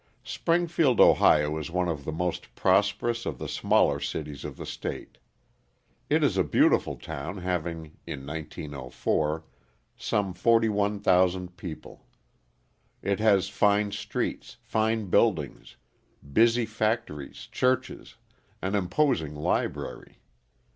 Springfield, O., is one of the most prosperous of the smaller cities of the state. It is a beautiful town having, in 1904, some 41,000 people. It has fine streets, fine buildings, busy factories, churches, an imposing library.